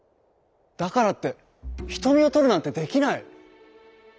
「だからってひとみをとるなんてできない」。